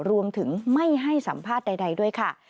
รวมถึงไม่ให้สัมภาษณ์ใดด้วยค่ะ